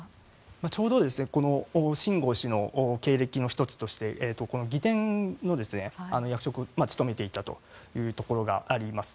ちょうどシン・ゴウ氏の経歴の１つとして儀典の役職を務めていたということがあります。